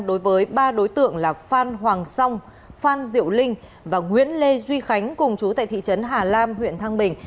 đối với ba đối tượng là phan hoàng song phan diệu linh và nguyễn lê duy khánh cùng chú tại thị trấn hà lam huyện thăng bình